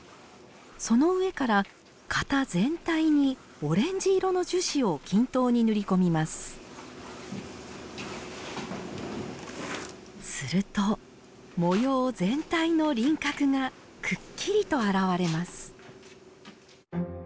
その上から型全体にオレンジ色の樹脂を均等に塗り込みますすると模様全体の輪郭がくっきりと表れます